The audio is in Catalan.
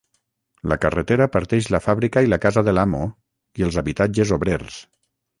La carretera parteix la fàbrica i la casa de l'amo i els habitatges obrers.